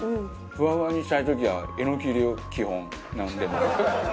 ふわふわにしたい時はえのき入れよう基本なんでも。